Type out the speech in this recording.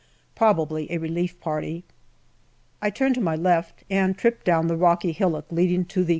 Probably a relief party. I turn to my left and trip down the rocky hillock leading to the C.